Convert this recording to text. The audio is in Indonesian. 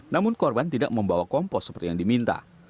namun korban tidak membawa kompos seperti yang diminta